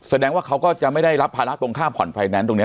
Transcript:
แสดงว่าเขาก็จะไม่ได้รับภาระตรงค่าผ่อนไฟแนนซ์ตรงนี้